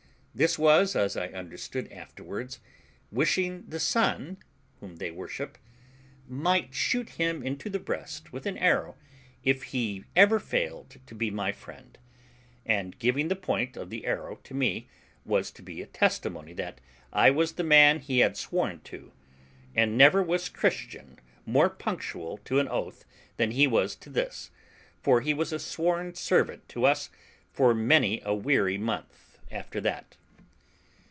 This was, as I understood afterwards, wishing the sun, whom they worship, might shoot him into the breast with an arrow, if ever he failed to be my friend; and giving the point of the arrow to me was to be a testimony that I was the man he had sworn to: and never was Christian more punctual to an oath than he was to this, for he was a sworn servant to us for many a weary month after that.